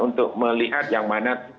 untuk melihat yang mana